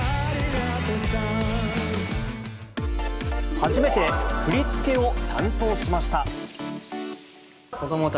初めて振り付けを担当しました。